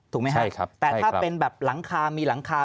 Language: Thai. ถูกไหมครับแต่ถ้าเป็นแบบหลังคามีหลังคา